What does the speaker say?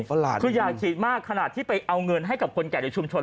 คืออยากฉีดมากขนาดที่ไปเอาเงินให้กับคนแก่ในชุมชน